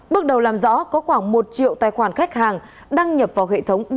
bước đầu làm rõ có khoảng một triệu tài khoản khách hàng đăng nhập vào hệ thống